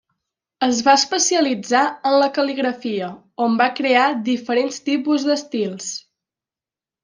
Es va especialitzar en la cal·ligrafia, on va crear diferents tipus d'estils.